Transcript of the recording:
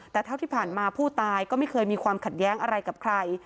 แต่เท่าที่ผ่านมาผู้ตายก็ไม่เคยมีความขัดแย้งอะไรกับใคร